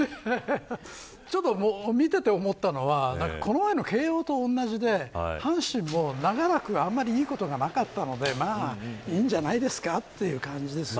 見てて思ったのはこの前の慶応と同じで阪神も長らくあんまりいいことがなかったんでまあいいんじゃないですかという感じです。